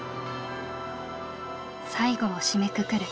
最後を締めくくる